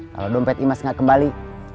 kalau dompet imas nggak kembali